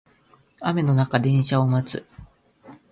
雨の中電車を待つ